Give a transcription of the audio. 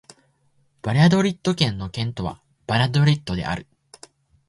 バリャドリッド県の県都はバリャドリッドである